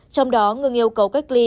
trong đó người yêu cầu cách ly